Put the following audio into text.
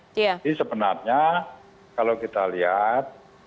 jadi sebenarnya kalau kita lihat